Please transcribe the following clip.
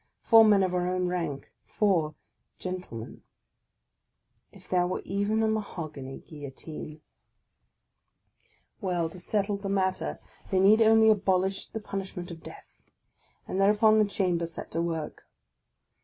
— four men of our own rank, — four " gentlemen !" If there were even a mahogany Guillotine ! Well, to settle the matter, they need only abolish the pun ishment of death; and thereupon the Chamber set to work!